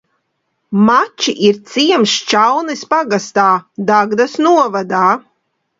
Mači ir ciems Šķaunes pagastā, Dagdas novadā.